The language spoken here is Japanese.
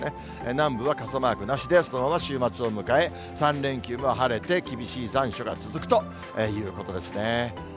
南部は傘マークなしでそのまま週末を迎え、３連休も晴れて、厳しい残暑が続くということですね。